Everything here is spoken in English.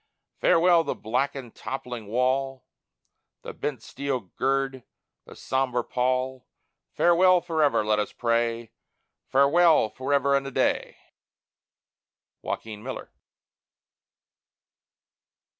Farewell the blackened, toppling wall, The bent steel gird, the sombre pall Farewell forever, let us pray; Farewell, forever and a day! JOAQUIN MILLER.